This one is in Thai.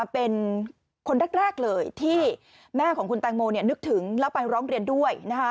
เป็นคนแรกเลยที่แม่ของคุณแตงโมนึกถึงแล้วไปร้องเรียนด้วย